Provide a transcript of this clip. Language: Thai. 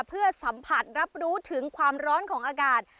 เพื่อสัมผัสรับรู้ถึงความร้อนของอากาศ